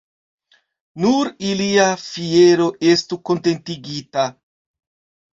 Nur ilia fiero estu kontentigita.